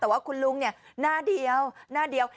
แต่ว่าคุณลุงน่าเดียว